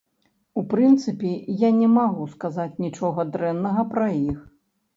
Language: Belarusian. У прынцыпе, я не магу сказаць нічога дрэннага пра іх.